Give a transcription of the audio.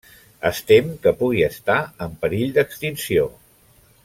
Es tem que pugui estar en perill d'extinció.